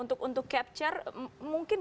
untuk capture mungkin